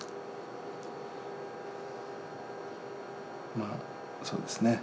まあそうですね